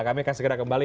kami akan segera kembali